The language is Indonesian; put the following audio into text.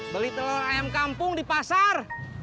beli telur ayam kampung di pasar